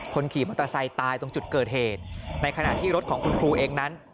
ขี่มอเตอร์ไซค์ตายตรงจุดเกิดเหตุในขณะที่รถของคุณครูเองนั้น